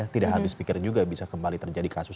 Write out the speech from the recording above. tidak habis pikir juga bisa kembali terjadi kasus